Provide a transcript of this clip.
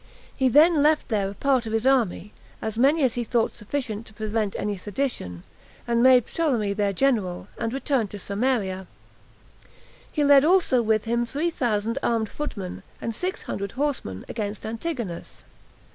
He then left there a part of his army, as many as he thought sufficient to prevent any sedition, and made Ptolemy their general, and returned to Samaria; he led also with him three thousand armed footmen, and six hundred horsemen, against Antigonus.